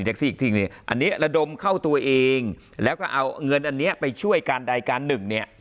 อ่าอันนี้ระดมเข้าตัวเองแล้วก็เอาเงินอันเนี้ยไปช่วยการดายการหนึ่งเนี้ย